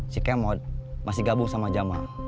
si kemod masih gabung sama jama